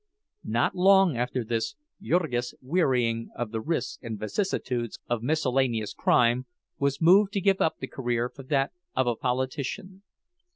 Not long after this, Jurgis, wearying of the risks and vicissitudes of miscellaneous crime, was moved to give up the career for that of a politician.